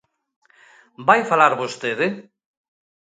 ¿Vai falar vostede?